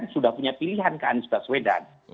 sudah punya pilihan ke anies baswedan